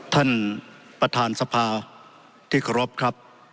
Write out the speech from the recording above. ท่านประธานสภาที่ขอบครับ